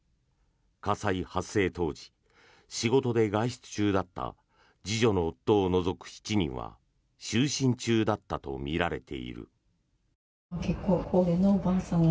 火災発生当時仕事で外出中だった次女の夫を除く７人は就寝中だったとみられる。